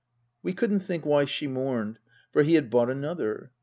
We couldn't think why she mourned, for he had bought another.